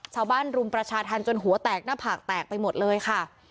รุมประชาธรรมจนหัวแตกหน้าผากแตกไปหมดเลยค่ะ